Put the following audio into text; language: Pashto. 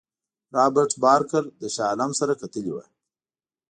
رابرټ بارکر له شاه عالم سره کتلي وه.